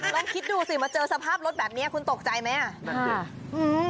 เริ่มคิดดูสิมาเจอสภาพรถแบบเนี่ยคุณตกใจไหมอะ